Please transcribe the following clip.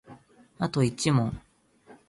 あと一問